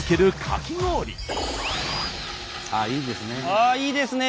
あっいいですね。